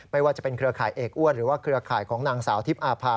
ไม่ว่าจะเป็นเครือข่ายเอกอ้วนหรือว่าเครือข่ายของนางสาวทิพย์อาภา